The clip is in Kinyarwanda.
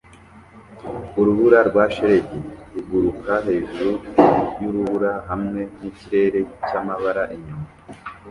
Urubura rwa shelegi ruguruka hejuru yurubura hamwe nikirere cyamabara inyuma